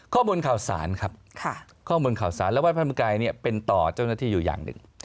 ข้อมูลข่าวสารครับข้อมูลข่าวสารและวัดพระธรรมกายเป็นต่อเจ้าหน้าที่อยู่อย่างหนึ่ง